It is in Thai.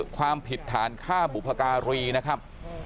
ความผิดฐานฆ่าบุพการีนะครับ